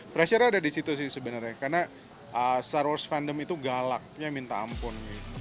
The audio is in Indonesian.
pressure ada di situ sih sebenarnya karena star wars fandom itu galak minta ampun